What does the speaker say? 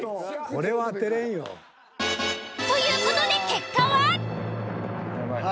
［これは当てれんよ］という事で結果は！？